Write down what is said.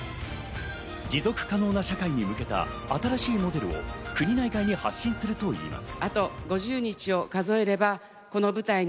持続可能な社会に向けた新しいモデルを国内外に発信するといいます。